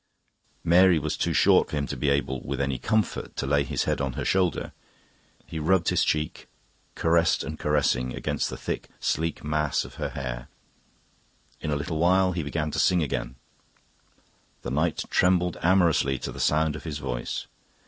Mary was too short for him to be able, with any comfort, to lay his head on her shoulder. He rubbed his cheek, caressed and caressing, against the thick, sleek mass of her hair. In a little while he began to sing again; the night trembled amorously to the sound of his voice.